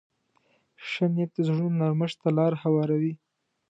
ښه نیت د زړونو نرمښت ته لار هواروي.